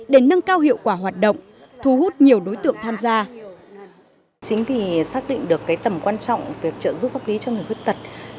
để nâng cao hiệu quả hoạt động thu hút nhiều đối tượng tham gia